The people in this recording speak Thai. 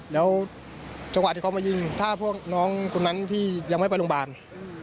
แล้วจังหวะที่เขามายิงถ้าพวกน้องคนนั้นที่ยังไม่ไปโรงพยาบาล